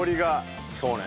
そうね。